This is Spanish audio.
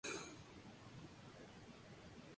Pertenece totalmente al grupo Viajes Marsans.